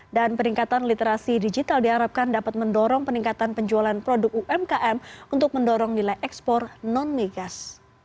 dan peningkatan literasi digital diharapkan dapat mendorong peningkatan penjualan produk umkm untuk mendorong nilai ekspor non migas